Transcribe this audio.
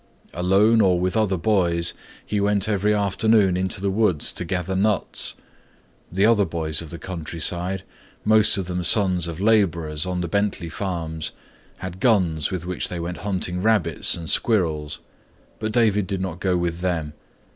Alone or with other boys he went every afternoon into the woods to gather nuts. The other boys of the countryside, most of them sons of laborers on the Bentley farms, had guns with which they went hunting rabbits and squirrels, but David did not go with them.